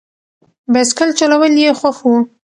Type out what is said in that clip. بایسکل چلول یې خوښ و.